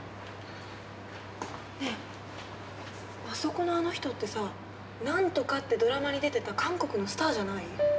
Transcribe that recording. ねえあそこのあの人ってさ何とかってドラマに出てた韓国のスターじゃない？